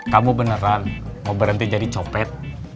kamu beneran mau berhenti jadi copet